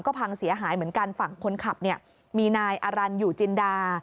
พังเสียหายเหมือนกันฝั่งคนขับเนี่ยมีนายอรันอยู่จินดา